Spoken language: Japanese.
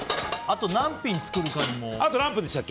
あと何品作るかも。